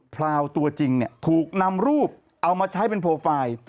พราวตัวจริงถูกนำรูปเอามาใช้เป็นโปรไฟล์